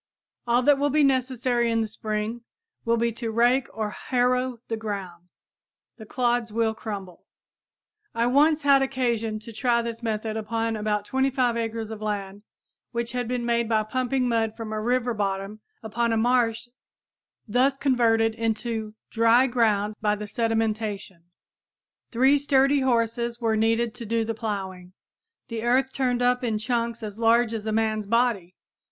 All that will be necessary in the spring will be to rake or harrow the ground. The clods will crumble. [Illustration: Surface Paring Cultivator] I once had occasion to try this method upon about 25 acres of land which had been made by pumping mud from a river bottom upon a marsh thus converted into dry ground by the sedimentation. Three sturdy horses were needed to do the plowing. The earth turned up in chunks as large as a man's body.